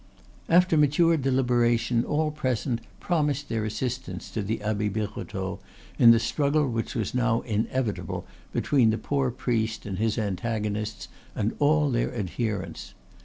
After mature deliberation all present promised their assistance to the Abbe Birotteau in the struggle which was now inevitable between the poor priest and his antagonists and all their adherents.